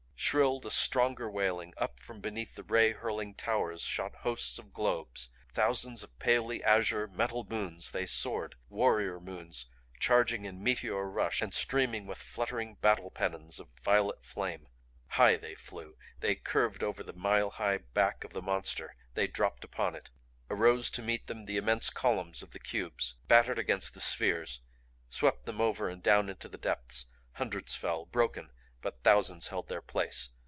Shrilled a stronger wailing. Up from behind the ray hurling Towers shot hosts of globes. Thousands of palely azure, metal moons they soared; warrior moons charging in meteor rush and streaming with fluttering battle pennons of violet flame. High they flew; they curved over the mile high back of the Monster; they dropped upon it. Arose to meet them immense columns of the cubes; battered against the spheres; swept them over and down into the depths. Hundreds fell, broken but thousands held their place.